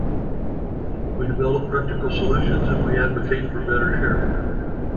We develop practical solutions, and we advocate for better sharing.